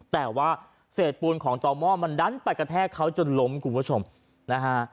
แต่ว่าเศษปูนของต่อหม้อมันดันไปกระแทกเขาจนล้มคุณผู้ชมนะฮะ